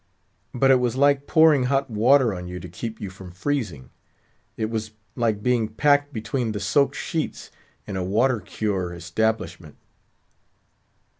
But it was like pouring hot water on you to keep you from freezing. It was like being "packed" between the soaked sheets in a Water cure Establishment.